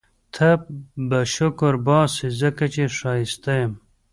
ته به شکرباسې ځکه چي ښایسته یم